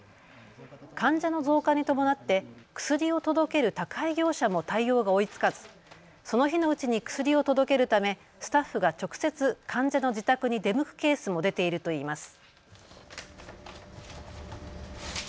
患者の増加に伴って薬を届ける宅配業者も対応が追いつかずその日のうちに薬を届けるためスタッフが直接、患者の自宅に出向くケースも出ているといいます。